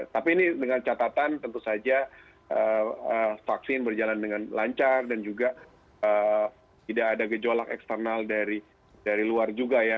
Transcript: tapi ini dengan catatan tentu saja vaksin berjalan dengan lancar dan juga tidak ada gejolak eksternal dari luar juga ya